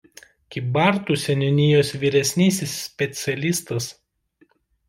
Kybartų seniūnijos vyresnysis specialistas.